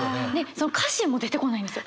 その歌詞も出てこないんですよ。